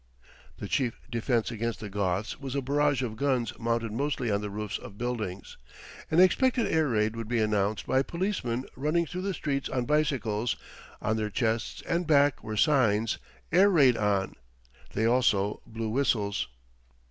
The chief defense against the Goths was a barrage of guns mounted mostly on the roofs of buildings. An expected air raid would be announced by policemen running through the streets on bicycles, on their chests and back were signs: AIR RAID ON. They also blew whistles.